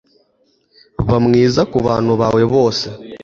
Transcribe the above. Ba mwiza kubantu bawe bose